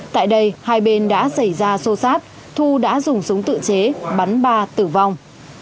tại đây hai bên đã xảy ra xô xát thu đã dùng súng tự chế bắn ba tử vong